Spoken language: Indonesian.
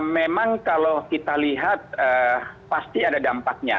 memang kalau kita lihat pasti ada dampaknya